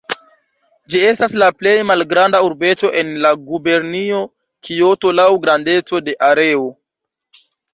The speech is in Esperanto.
Ĝi estas la plej malgranda urbeto en la gubernio Kioto laŭ grandeco de areo.